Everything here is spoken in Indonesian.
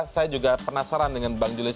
saya juga penasaran dengan bang julius